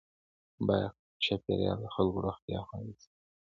پاک چاپېریال د خلکو روغتیا خوندي ساتي.